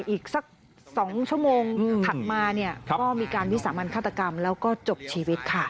อีกสัก๒ชั่วโมงถัดมาเนี่ยก็มีการวิสามันฆาตกรรมแล้วก็จบชีวิตค่ะ